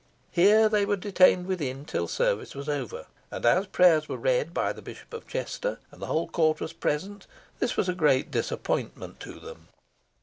Here they were detained within it till service was over, and, as prayers were read by the Bishop of Chester, and the whole Court was present, this was a great disappointment to them.